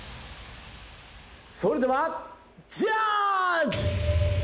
それではジャッジ！